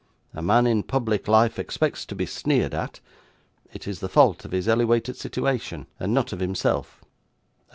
A man in public life expects to be sneered at it is the fault of his elewated sitiwation, and not of himself.